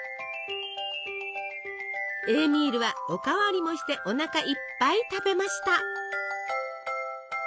エーミールはお代わりもしておなかいっぱい食べました。